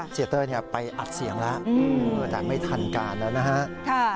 เสียเต้ยไปอัดเสียงแล้วแต่ไม่ทันการแล้วนะฮะ